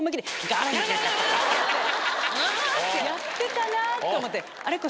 う！ってやってたなと思って。